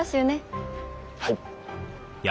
はい。